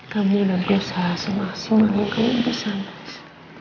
kamu tidak bisa semaksimal yang kamu bisa mas